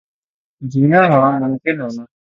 جینا ہاں ممکن ہونا